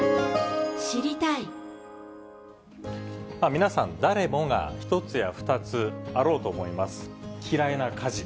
皆さん、誰もが１つや２つ、あろうと思います、嫌いな家事。